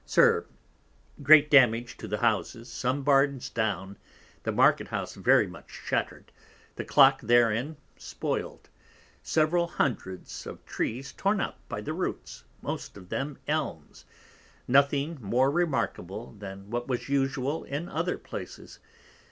SIR, Great damage to the Houses, some Barns down, the Market house very much shattred, the Clock therein spoiled, several hundreds of Trees torn up by the Roots, most of them Elms, nothing more remarkable than what was usual in other places.